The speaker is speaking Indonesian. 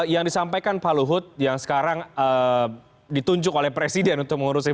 yang disampaikan pak luhut yang sekarang ditunjuk oleh presiden untuk mengurusi